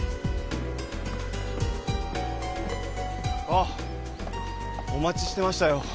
あっお待ちしてましたよ。